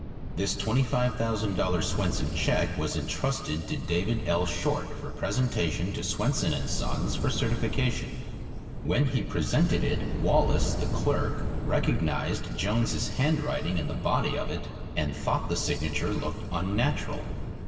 This twenty five thousand dollar Swenson check was intrusted to David L. Short for presentation to Swenson & Sons for certification. When he presented it, Wallace, the clerk, recognized Jones's handwriting in the body of it, and thought the signature looked unnatural.